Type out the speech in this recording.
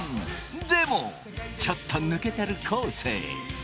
でもちょっと抜けてる昴生。